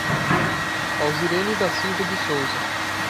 Auzirene da Silva de Souza